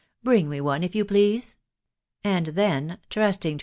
bring me one, if yoaV please/' And thea^ tnusdng ta.